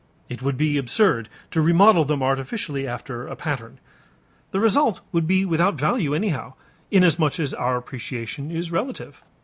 It would be absurd to remodel them artificially after a pattern. The result would be without value anyhow, inasmuch as our appreciation is relative.